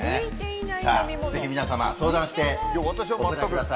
ぜひ皆様、相談して。